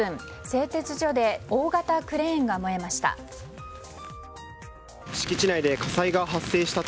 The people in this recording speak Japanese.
製鉄所で大型クレーンが燃えました。